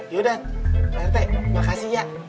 yaudah makasih ya